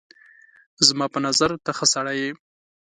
زما په نظر ته ښه سړی یې